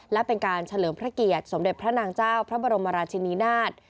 และเป็นการเฉลิมพระเกียรติสมเด็จพระนางเจ้าพระบรมราชินินาศ